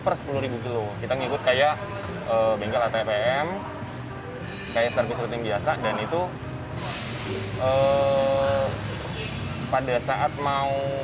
per sepuluh kilo kita ngikut kayak bengkel atpm kayak service rutin biasa dan itu pada saat mau